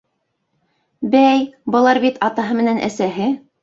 Бәй, былар бит атаһы менән әсәһе.